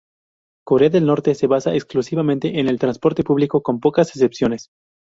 Corea del Norte se basa exclusivamente en el transporte público, con pocas excepciones.